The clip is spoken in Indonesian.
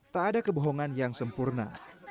tak ada kebohongan yang sempurna